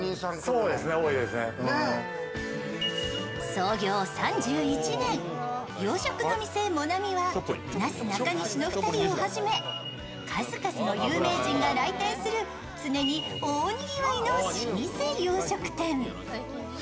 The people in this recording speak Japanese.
創業３１年、洋食の店もなみはなすなかにしの２人をはじめ数々の有名人が来店する常に大にぎわいの老舗洋食店。